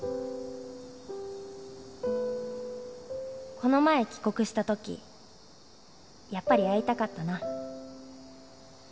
「この前帰国した時やっぱり会いたかったな」。